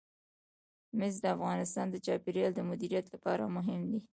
مس د افغانستان د چاپیریال د مدیریت لپاره مهم دي.